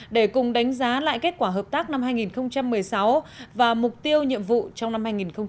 để cùng đánh giá lại kết quả hợp tác năm hai nghìn một mươi sáu và mục tiêu nhiệm vụ trong năm hai nghìn hai mươi